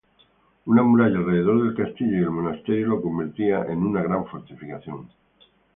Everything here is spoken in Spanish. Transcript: Una muralla alrededor del castillo y el monasterio lo convertían en una gran fortificación.